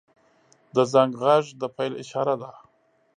• د زنګ غږ د پیل اشاره ده.